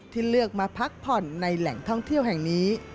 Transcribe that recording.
เลือกมาพักผ่อนในแหล่งท่องเที่ยวแห่งนี้